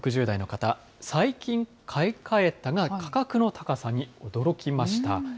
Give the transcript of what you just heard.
青森県６０代の方、最近買い替えたが、価格の高さに驚きました。